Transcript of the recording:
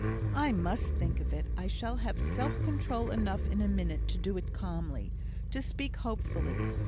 "I must think of it. I shall have self control enough in a minute to do it calmly to speak hopefully.